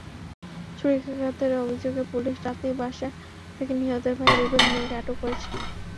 ছুরিকাঘাতের অভিযোগে পুলিশ রাতেই বাসা থেকে নিহতের ভাই রুবেল মিয়াকে আটক করেছে।